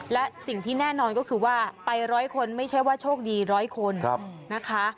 และสิ่งที่แน่นอนก็คือว่าไปร้อยคนไม่ใช่ว่าโชคดีร้อยคนนะคะ